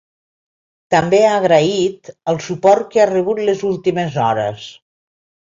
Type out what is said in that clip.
També ha agraït el suport que ha rebut les últimes hores.